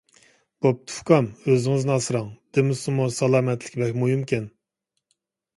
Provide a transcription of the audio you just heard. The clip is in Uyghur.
بوپتۇ ئۇكام، ئۆزىڭىزنى ئاسراڭ. دېمىسىمۇ سالامەتلىك بەك مۇھىمكەن.